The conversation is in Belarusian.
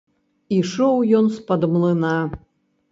Ішоў ён з-пад млына.